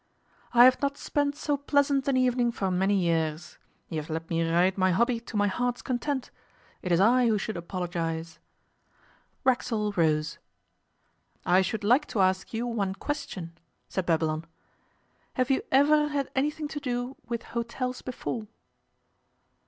'I have not spent so pleasant an evening for many years. You have let me ride my hobby to my heart's content. It is I who should apologize.' Racksole rose. 'I should like to ask you one question,' said Babylon. 'Have you ever had anything to do with hotels before?